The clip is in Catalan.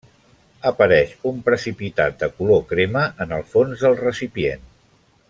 Apareix un precipitat de color crema en el fons del recipient.